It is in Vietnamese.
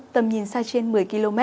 tầm nhìn xa trên một mươi km